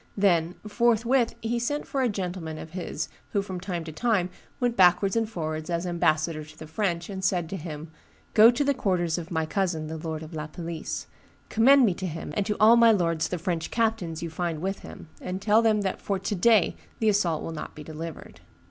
Then, forthwith he sent for a gentleman of his who from time to time went backwards and forwards as ambassador to the French, and said to him, 'Go to the quarters of my cousin, the lord of La Palisse; commend me to him and to all my lords the French captains you find with him, and tell them that for to day the assault will not be delivered.